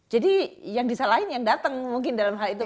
jadi yang disalahin yang datang mungkin dalam hal itu